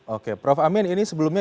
oke prof amin ini sebelumnya